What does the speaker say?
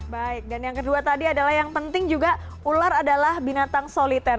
baik dan yang kedua tadi adalah yang penting juga ular adalah binatang soliter